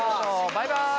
バイバイ！